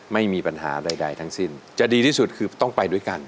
ไม่มีปัญหาใดทั้งสิ้นจะดีที่สุดคือต้องไปด้วยกัน